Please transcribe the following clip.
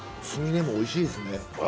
つみれもおいしいですね。